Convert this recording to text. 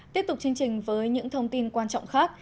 tiếp tục chương trình với những thông tin quan trọng khác